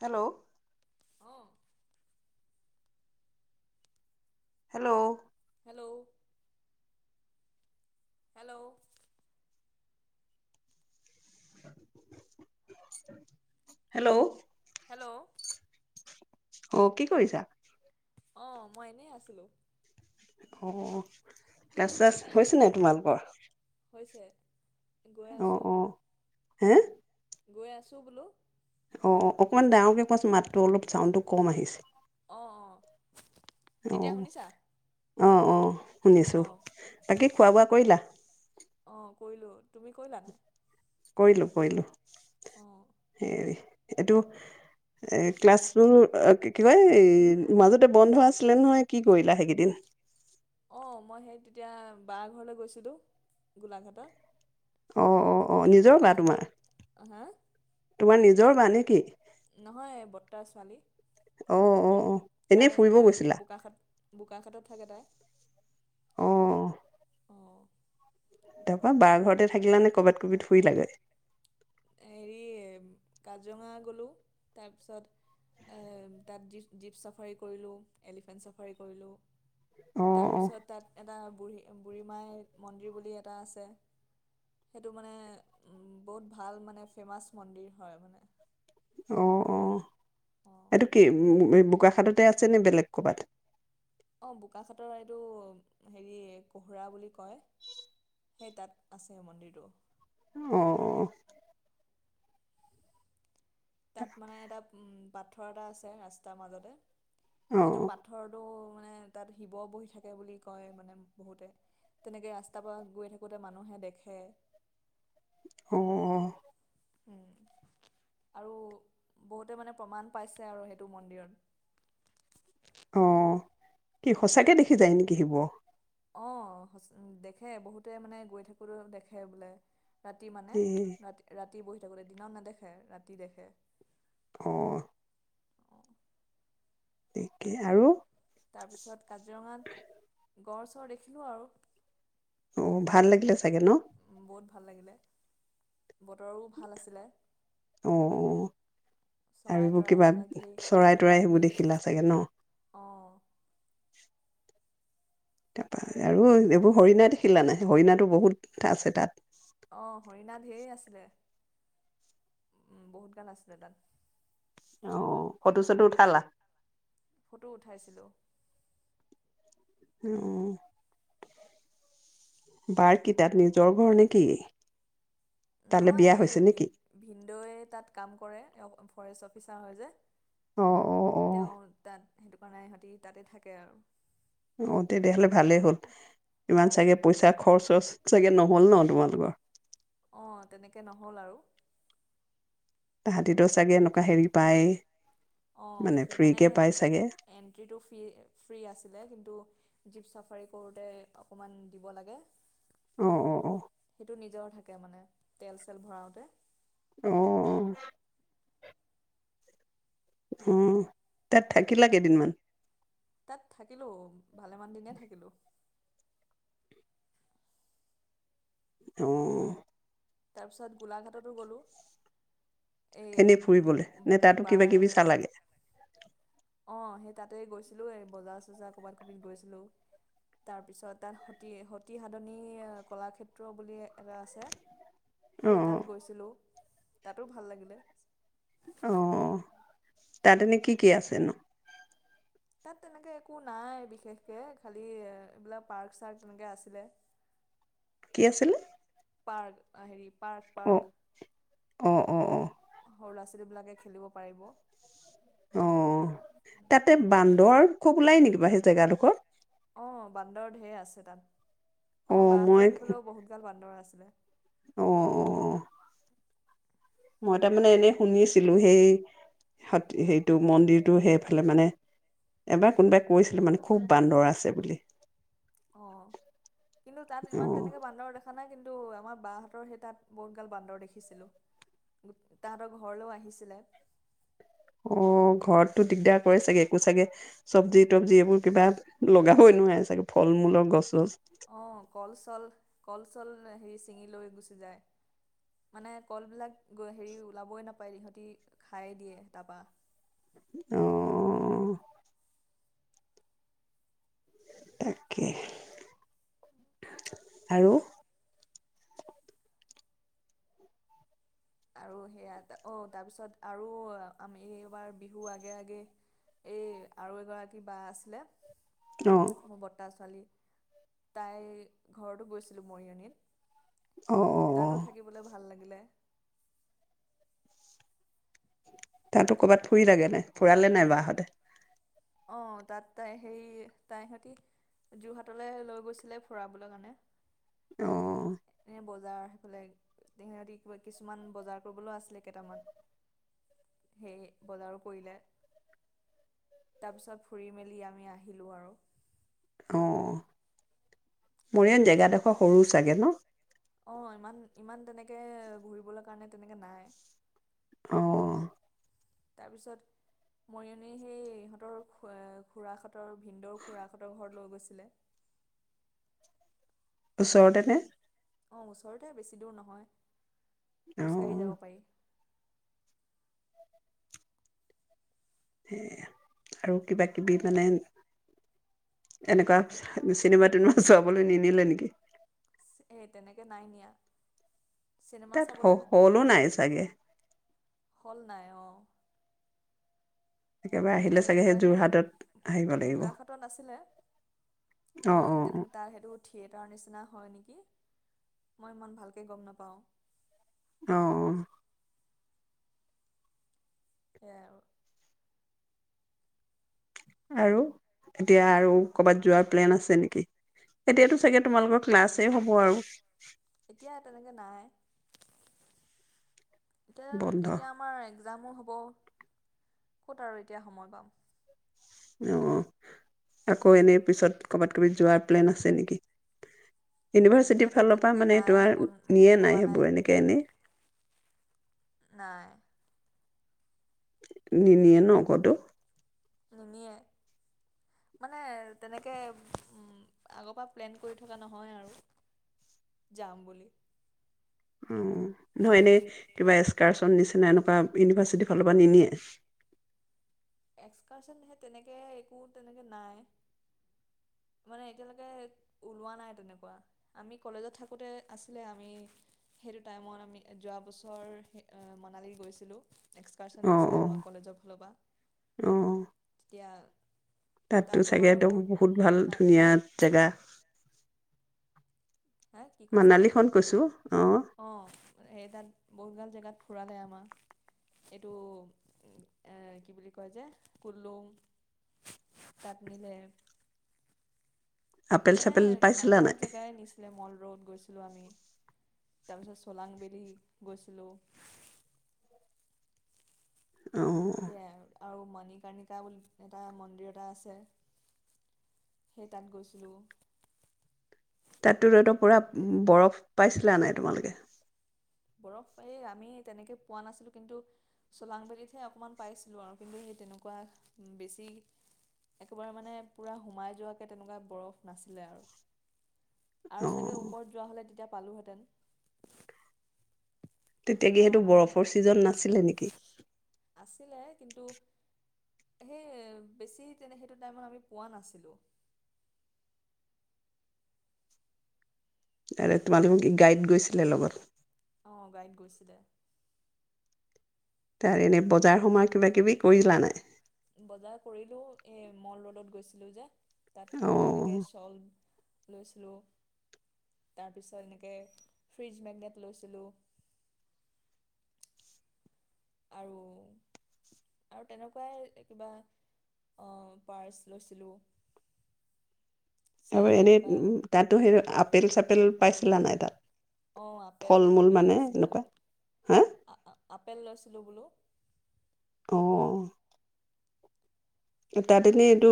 Hello অ hello hello hello hello hello অ কি কৰিছা অ মই এনেই আছিলো অ তাৰপিছত হৈছে ন তোমালোকৰ হৈছে গৈ অ আছোঁ অ হে গৈ আছোঁ বোলো অ অকণমান ডাঙৰকে কোৱাচোন মাতটো অলপ চাউণ্ডটো কম আহিছে অ অ আহ অঁ অঁ শুনিছো অঁ তাকে খোৱা বোৱা কৰিলা অ কৰিলো তুমি কৰিলা নাই কৰিলো কৰিলো অঁ হেৰি এইটো এ ক্লাছবোৰ কি কয় মাজতে বন্ধ আছিলে নহয় কি কৰিলা সেইকিদিন অঁ মই সেই তেতিয়া বা ঘৰলৈ গৈছিলোঁ গোলাঘাটত অ অ অ নিজৰ বা বোকাখাটত তোমাৰ হা তোমাৰ নিজৰ বা নে কি নহয় বৰ্তা ছোৱালী অ অ অ এনেই তাই ফুৰিব তাই গৈছিলা বোকাখাত বোকাখাতত থাকে তাই অ অঁ তাৰ পৰা বাৰ ঘৰতে থাকিলা নে কৰ'বাত কবিত ফুৰিলাগে হেৰি কাজিৰঙা গ'লোঁ তাৰপিছত এ তাত জীপ জীপ চাফাৰী কৰিলোঁ এলিফেণ্ট চাফাৰী কৰিলোঁ অ তাৰ অ পিছত তাত এটা বুঢ়ী বুঢ়ী মাই মন্দিৰ বুলি এটা আছে সেইটো মানে বহুত ভাল মানে ফেমাছ মন্দিৰ হয় মানে অ অ অঁ এইটো কি উ বোকাখাটতে আছে নে বেলেগ ক'বাত অ বোকাখাটৰ এইটো হেৰি কোহৰা বুলি কয় সেই তাত আছে মন্দিৰটো অহ অ তাত মানে এটা উম পাথৰ এটা আছে ৰাস্তাৰ মাজতে অ সেইটো পাথৰটো মানে তাত শিৱ বহি থাকে বুলি কয় মানে বহুতে তেনেকে ৰাস্তাৰ পা গৈ থাকোঁতে মানুহে দেখে অ অ উ আৰু বহুতে মানে প্ৰমাণ পাইছে আৰু সেইটো মন্দিৰত অ কি সঁচাকে দেখি যায় নেকি শিৱ অ দেখে বহুতে মানে গৈ থাকোতে দেখে বোলে ৰাতি মানে এ ৰাতি ৰাতি ৰাতি বহি থাকোঁতে দিনত নেদেখে ৰাতি দেখে অ অঁ দেখে আৰু তাৰপিছত কাজিৰঙাত গঁড় চৰ দেখিলোঁ আৰু অ ভাল লাগিলে চাগে ন বহুত ভাল লাগিলে বতৰো ভাল আছিলে অ অ চৰাই আৰু তৰাই কিবা সেইবিলাক ধেৰ চৰাই কিবা তৰাই কিবি সেইবোৰ দেখিলা চাগে ন অঁ তাৰপা আৰু এইবোৰ হৰিণা দেখিলা নাই হৰিণাতো বহুত আছে তাত অঁ হৰিণা ঢেৰ আছিলে বহুত গাল আছিলে তাত অ ফটো চটো উঠালা ফটো উঠাইছিলো অ বাৰ কি তাত নিজৰ ঘৰ নে কি? নহয় এই ভিন ভিনদৌয়ে তাত কাম কৰে অ ফৰেষ্ট অফিচাৰ হয় যে অ অ অ তেওঁ তাত সেইটো কাৰণে সিহঁতি তাতে থাকে আৰু অহ তেতিয়াহ'লে ভালেই হ'ল, ইমান অঁ চাগে পইচা খৰছ চৰছ চাগে নহল নহ তোমালোকৰ? অহ তেনেকে নহ'ল আৰু তাহাঁতিতো চাগে এনেকুৱা হেৰি পায়। অহ ফ্ৰীকে মানে সেই এণ্ট্ৰিটো ফ্ৰী ফ্ৰী আছিলে কিন্তু জীপ চাফাৰী কৰোঁতে অকণমান দিব লাগে। অহ অহ অহ টো নিজৰো থাকে মানে তেল চেল ভৰাওঁতে অহ অহ তাত থাকিলা কেইদিনমান? তাত থাকিলো ভালেমান দিনে থাকিলো। অহ তাৰপিছত গোলাঘাটতো গ'লোঁ। এই এনেই ফুৰিবলে, ম- নেহ তাতো কিবা কিবি চালাগে। অহ সেই তাতেই গৈছিলো এই বজাৰ চজাৰ ক'বাত কবিত গৈছিলো। তাৰ পিছত তাত সতি সতি সাধনী কলাক্ষেত্ৰ বুলি এটা আছে অ সেই তাত গৈছিলোঁ। তাতো ভাল লাগিলে। অহ তাত এনে কি কি আছেনো? তাত তেনেকে একো নাই বিশেষকে, খালি এইবিলাক পাৰ্ক চাৰ্ক তেনেকে আছিলে। কি আছিলে পাৰ্ক, আ হেৰি পাৰ্ক অ পাৰ্ক অ অ অ সৰু ল'ৰা ছোৱালীবিলাকে খেলিব পাৰিব। অহ তাতে বান্দৰ খুব ওলাই নেকি সেই জেগাদোখৰত? অহ বান্দৰ ঢেৰ আছে তাত। অ আমাৰ বাহ হতৰ সেইফালেও বহুত গাল বান্দৰ আছে [unintelligible] অহ অহ অহ মই তাৰমানে এনেই শুনি আছিলো, সেই সত সেইটো মন্দিৰটো সেইফালে মানে এবাৰ কোনোবাই কৈছিলে মানে খুব বান্দৰ আছে বুলি। অহ কিন্তু তাত ইমান অ', তেনেকে বান্দৰ দেখা নাই কিন্তু আমাৰ বাহঁতৰ সেই তাত বহুত গাল বান্দৰ দেখিছিলোঁ। তাহাঁতৰ ঘৰলৈও আহিছিলে। অহ ঘৰতটো দিগদাৰ কৰে চাগে, একো চাগে চবজি-তবজি এইবোৰ কিবা লগাবই নোৱাৰে চাগে ফল মূলৰ গছছজ। অহ কল চল, কল চল হেৰি ছিঙি লৈ গুচি যায়। মানে কলবিলাক হেৰি ওলাবই নাপায় সহঁতি খাই দিয়ে তাপা অহ অহ অহ তাকে আৰু? আৰু সেয়া অহ তাৰপিছত আৰু আমি এইবাৰ বিহু আগে আগে এই আৰু এগৰাকী বা আছিলে অ', মোৰ বৰ্ত্তা ছোৱালী। তাই ঘৰতো গৈছিলো, অ', অ', মৰিয়নিত। তাতো অ', থাকিবলৈ ভাল লাগে [unintelligible] তাতো কৰ'বাত ফুৰিলাগেনে, ফুৰালে নাই বাহঁতে? অঁ তাত তাই সেই, তাইহঁতি যোৰহাটলৈ লৈ গৈছিলে ফুৰাবলৈ কাৰণে। অ। এনে বজাৰ সেইফালে, তেহেঁতি কিছুমান বজাৰ কৰিবলৈ আছিলে কেইটামান, সেই বজাৰো কৰিলে। তাৰপিছত ফুৰি মেলি আমি আহিলোঁ আৰু। অ। মৰিয়নী জেগাডোখৰ সৰু চাগে ন?। অ' ইমান-ইমান তেনেকে ঘূৰিবলৈ কাৰণে তেনেকে নাই। অ তাৰপিছত মৰিয়নিৰ সেই ইহঁতৰ খ খুৰাহঁতৰ ভিনদৌৰ খুৰাহঁতৰ ঘৰত লৈ গৈছিলে। ওচৰতে নে? অ ওচৰতে বেছি দূৰ নহয়। খোজকাঢ়ি অ', যাব পাৰি। সে আৰু কিবা-কিবি মানে এনেকুৱা চিনেমা-তিনেমা চোৱাবলৈ নিনিলে নেকি? এ তেনেকে নাই নিয়া। চিনেমা তাত চাবলৈ হলো নিয়া নাই নহয় চাগে [inaudible] হল নাই অ একেবাৰে আহিলে চাগে সেই গোলাহেই যোৰহাটত আহিব লাগিব বোকাঘাটত আাছিলে, কিন্তু অ', অ', অ', তেনেকে তাৰ সেইটো [inaudible] থিয়েটাৰৰ নিচিনা হয় নেকি, মই ইমান ভালকৈ গম নাপাওঁ অ অ এয়া আৰু? এতিয়া আৰু কৰ'বাত যোৱাৰ প্লেন আছে নেকি? এতিয়াতো চাগে তোমালোকৰ ক্লাছেই হ'ব আৰু এতিয়া তেনেকে নাই বন্ধ এতিয়া-এতিয়া আমাৰ এক্সামো হ'ব ক'ত আৰু এতিয়া সময় পাম অ আকৌ এনে পিছত কৰ'বাত-কিবিত যোৱাৰ প্লেন আছে নেকি? ইউনিভাৰ্চিটিৰ এতিয়াতো ফালৰ পৰা তেনেকৈ মানে নাই তোমাৰ বন উম, নিয়ে ভবা নাই সেইবোৰ তেনেকৈ এনেকে এনেই নাই নিনিয়ে ন কতো নিনিয়ে মানে তেনেকে আগৰ পৰা প্লেন কৰি থকা নহয় আৰু যাম বুলি অ নহয় এনে কিবা এক্সকাৰ্চন [inaudible] [inaudible] এনেকুৱা ইউনিভাৰ্চিটিৰ ফালৰ পৰা নিনিয়ে এক্সকাৰ্চন সে তেনেকে একো তেনেকে নাই মানে এতিয়ালৈকে ওলোৱা নাই তেনেকুৱা আমি কলেজত থাকোতে আছিলে আমি সেইটো টাইমত আমি যোৱা বছৰ মনালী গৈছিলো এক্সকাৰ্চন অ', নিছিলে অ', আমাৰ কলেজৰ ফালৰ পৰা অ', তেতিয়া তাততো তাত আমাৰ চাগেতো বহুত ভাল হা ধুনীয়া হা জেগা হা কি কৈছা মানালীখন কৈছোঁ অ এই তাত বহুতগাল জেগাত ফুৰালে আমাক, এইটো কি বুলি কয় যে কুলুং তাত নিলে। আপেল মানে চাপেল ভাল পাইছিলা নাই? ভাল জেগাই নিছিলে মল ৰোদ গৈছিলো আমি তাৰ পিছত চলাঙবেদী গৈছিলো অ', সেয়া আৰু ম মণিকৰ্ণিকা বুলি এটা মন্দিৰ এটা আছে সেই তাত গৈছিলোঁ তাততো [unintelligible] পুৰা বৰফ পাইছিলা নাই তোমালোকে বৰফ এই আমি তেনেকৈ পোৱা নাছিলোঁ কিন্তু চোলাংবেলিতহে অকণমান পাইছিলোঁ আৰু কিন্তু সেই তেনেকুৱা বেছি একেবাৰে মানে পূৰা সোমাই যোৱাকে তেনেকুৱা বৰফ নাছিলে আৰু আৰু চাগে অ', ওপৰত যোৱা হ'লে তেতিয়া পালোহেঁতেন তেতিয়া কি আমাৰ হেতু মানে বৰফৰ ছিজন নাছিলে নেকি কিন্তু সেই বেছি তেনে সেইটো টাইমত আমি পোৱা নাছিলোঁ তোমালোকে কি গাইড গৈছিলে লগত আহ গাইড গৈছিলে তাৰ এনে বজাৰ সময় কিবা কিবি কৰিলা নাই বজাৰ কৰিলোঁ এই মল ৰোডত গৈছিলোঁ যে তাত এনেকে অ', চল লৈছিলোঁ তাৰপিছত এনেকে ফ্ৰ্ৰীজ মেগনেট লৈছিলোঁ আৰু আৰু তেনেকুৱাই কিবা পাৰ্চ লৈছিলোঁ চে- আৰু এনেকুৱা এনেই তাতো সেই আপেল চাপেল পাইছিলা নাই তাত অঁ আপেল ফল মূল আপেল মানে লৈছিলোঁ এনেকুৱা হা? আপেল লৈছিলোঁ বোলো অ তাত এনেই এইটো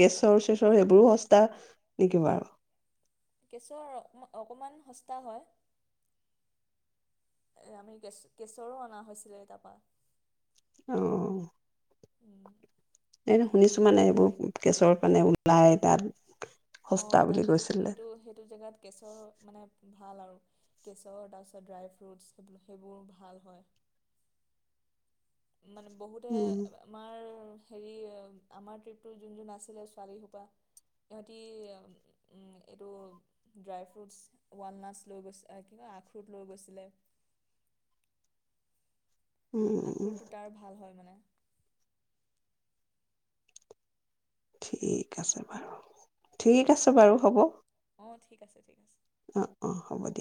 কেচৰ চেচৰ সেইবোৰো সস্তা নেকি বাৰু কেচৰ অকণমান সস্তা হয় আমি কেচৰো অনা হৈছিলে তাৰপৰা আহ উম শুনিছো মানে এইবোৰ কেছৰ কাৰানে ওলাই তাত অ সস্তা তাত বুলি সেইটো কৈছিলে। সেইটো সেইটো জেগাত গেছৰ মানে ভাল আৰু কেচৰ তাৰপিছত ড্ৰাই ফ্ৰুটছ সব সেইবোৰ ভাল হয় মানে বহুতে উম, আমাৰ হেৰি আমাৰ ট্ৰিপটো যোন যোন নাছিলে ছোৱালীসোপা ইিহঁতি এইটো ড্ৰাই ফ্ৰুটছ ৱালনাটছ লৈ গৈছে কি কয় আখ্ৰুট লৈ গৈছিলে উম, উম, আখুৰটো তাৰ ভাল হয় মানে ঠিক আছে বাৰু ঠিক আছে বাৰু হ'ব অ ঠিক আছে ঠিক আছে অ', অ', হ'ব দিয়া।